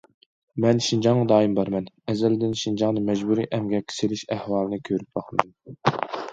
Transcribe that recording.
مەن شىنجاڭغا دائىم بارىمەن، ئەزەلدىن شىنجاڭدا مەجبۇرىي ئەمگەككە سېلىش ئەھۋالىنى كۆرۈپ باقمىدىم.